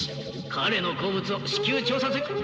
彼の好物を至急調査す。